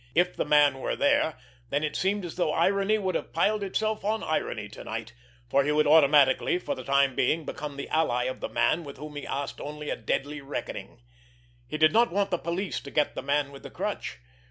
If the man were there, then it seemed as though irony would have piled itself on irony to night, for he would automatically for the time being become the ally of the man with whom he asked only a deadly reckoning! He did not want the police to get the Man with the Crutch.